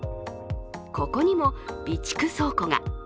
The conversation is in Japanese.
ここにも備蓄倉庫が。